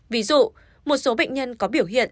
ví dụ một số bệnh nhân có biểu hiện